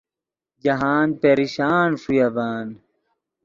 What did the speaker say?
جاہند پریشان ݰوئے اڤن